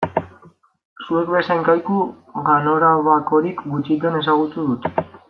Zuek bezain kaiku ganorabakorik gutxitan ezagutu dut.